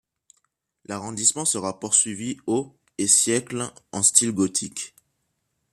L'agrandissement sera poursuivi aux et siècles en style gothique.